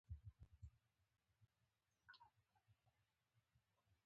مهرباني وکړئ